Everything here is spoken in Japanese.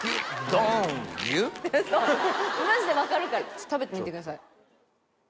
そうマジで分かるから食べてみてください。